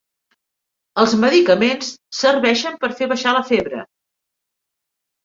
Els medicaments serveixen per fer baixar la febre.